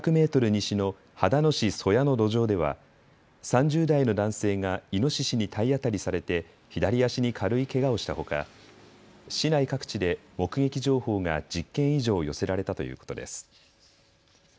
西の秦野市曽屋の路上では３０代の男性がイノシシに体当たりされて左足に軽いけがをしたほか、市内各地で目撃情報が１０件以上寄せられたということです。